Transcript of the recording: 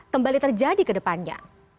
kembali terjadi kedepannya